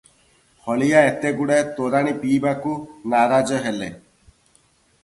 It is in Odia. ହଳିଆ ଏତେଗୁଡ଼ାଏ ତୋରାଣୀ ପିଇବାକୁ ନାରାଜ ହେଲେ